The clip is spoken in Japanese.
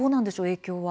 影響は。